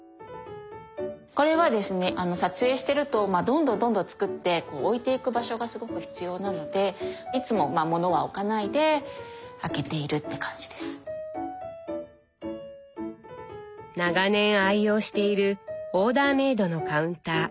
これはですね撮影してるとどんどんどんどん作って置いていく場所がすごく必要なので長年愛用しているオーダーメードのカウンター。